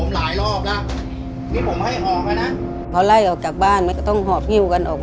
หลายรอบละวันไหลออกจากบ้านมันก็ต้องหอบงิวกันออก